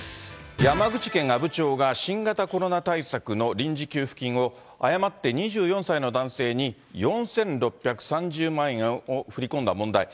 山口県阿武町が、新型コロナ対策の臨時給付金を、誤って２４歳の男性に４６３０万円を振り込んだ問題。